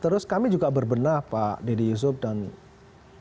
terus kami juga berbenah pak dedy yusuf dan pak